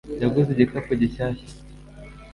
yaguze igikapu gishyashya